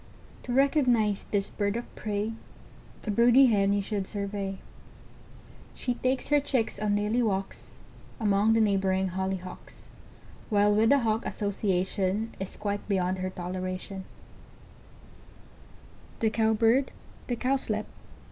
] To recognize this Bird of Prey, The broody Hen you should survey: She takes her Chicks on daily walks, Among the neighboring Hollyhocks, While with the Hawk association, Is quite beyond her toleration. The Cow Bird. The Cowslip. [Illustration: The Cow Bird. The Cowslip.